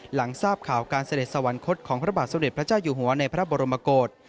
หลังทราบข่าวการเสด็จสวรรคตของพระบาทสมเด็จพระเจ้าอยู่หัวในพระบรมกฏ